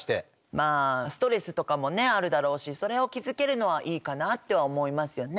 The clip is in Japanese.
まあストレスとかもねあるだろうしそれを気付けるのはいいかなとは思いますよね。